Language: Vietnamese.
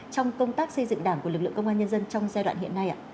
trong công tác xây dựng đảng của lực lượng công an nhân dân trong giai đoạn hiện nay ạ